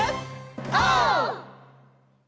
オー！